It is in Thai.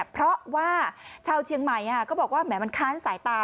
เพราะว่าชาวเชียงใหม่ก็บอกว่าแหมมันค้านสายตา